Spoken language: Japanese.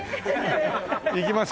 行きますか？